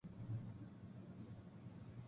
绍平济纽是巴西巴拉那州的一个市镇。